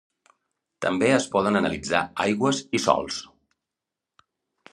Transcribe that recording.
També es poden analitzar aigües i sòls.